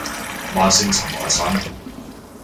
慢性蕁麻疹